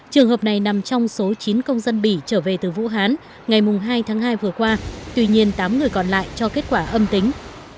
trường hợp này nằm trong số chín công dân bỉ trở về từ vũ hán ngày hai tháng hai vừa qua tuy nhiên tám người còn lại cho kết quả âm tính